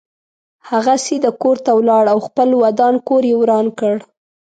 هغه سیده کور ته ولاړ او خپل ودان کور یې وران کړ.